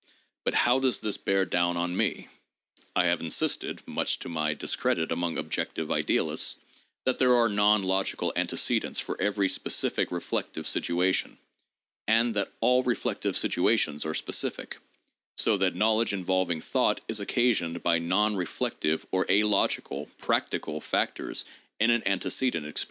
But how does this bear down on me? I have insisted (much to my discredit among "objective idealists") that there are non logical antecedents for every specific reflective situation (and that all reflective situations are specific) so that knowledge involving thought is occasioned by non reflective or alogical ("practical") factors in an antecedent experience.